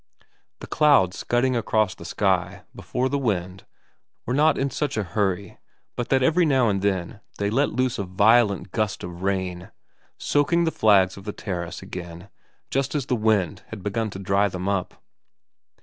The clouds scudding across the sky before the wind were not in such a hurry but that every now and then they let loose a violent gust of ram, soaking the flags of the terrace again just as the wind had begun to dry them up.